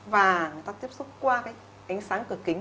và người ta tiếp xúc qua cái ánh sáng cửa kính